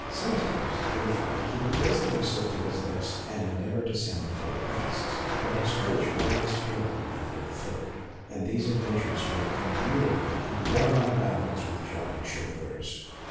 Sometimes, in fun, he would place his whistle to his lips and 41 42 MONOLOGUES endeavour to sound four blasts, but his courage always failed him after the third, and these adventures would end merely in war like dialogues with jobbing chauffeurs.